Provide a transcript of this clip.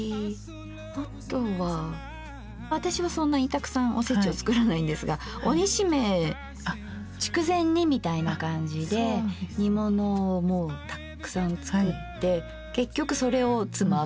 あとは私はそんなにたくさんおせちを作らないんですがお煮しめ筑前煮みたいな感じで煮物をもうたっくさん作って結局それをつまむ。